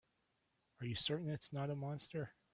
Are you certain it's not a monster?